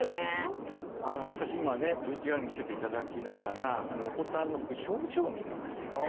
私今ねＶＴＲ見せて頂きながらお子さんの表情を見るんですよね。